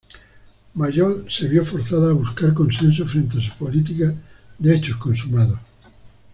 Mayol se vio forzada a buscar consenso frente a su política de hechos consumados.